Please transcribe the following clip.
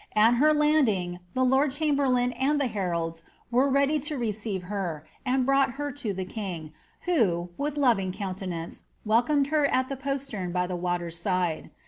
At her landing the lord chamberlain and the heralds were ready to receife her, and brought her to the king, who, with loving countenance, wel comed her at the postern by the water side.